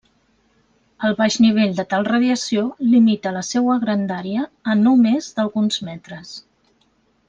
El baix nivell de tal radiació limita la seua grandària a no més d'alguns metres.